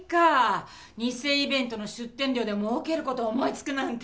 偽イベントの出店料で儲ける事を思い付くなんて。